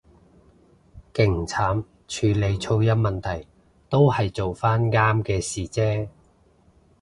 勁慘處理噪音問題，都係做返啱嘅事啫